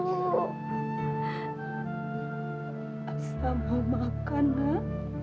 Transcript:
asal mau makan ya